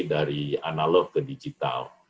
dari analog ke digital